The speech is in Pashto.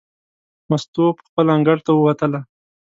مستو پخپله انګړ ته ووتله.